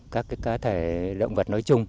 các cá thể động vật nói chung